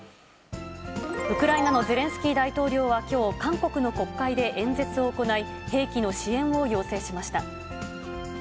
ウクライナのゼレンスキー大統領はきょう、韓国の国会で演説を行い、兵器の支援を要請しました。